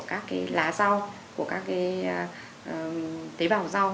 trên các cái lá rau các cái tế bào rau